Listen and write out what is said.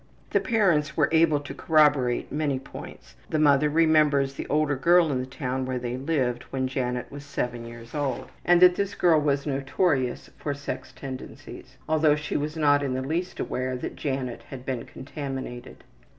The parents were able to corroborate many points. The mother remembers the older girl in the town where they lived when Janet was 7 years old and that this girl was notorious for her sex tendencies, although she was not in the least aware that Janet had been contaminated.